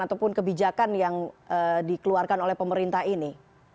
ataupun kebijakan yang dikeluarkan oleh pemerintah ini